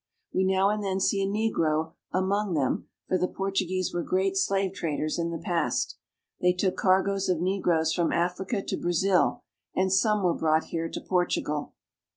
We now and then see a negro among them, for the Portuguese were great slave traders in the past. They took cargoes of negroes from Africa to Brazil, and some were brought here to Portugal.